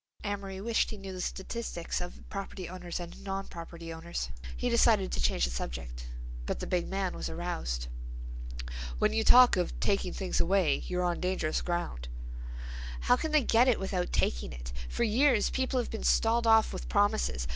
Amory wished he knew the statistics of property owners and non property owners; he decided to change the subject. But the big man was aroused. "When you talk of 'taking things away,' you're on dangerous ground." "How can they get it without taking it? For years people have been stalled off with promises.